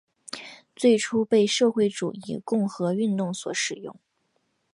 最初被社会主义共和运动所使用。